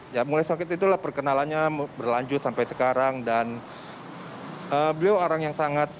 ya mulai sakit itulah perkenalannya berlanjut sampai sekarang dan beliau orang yang sangat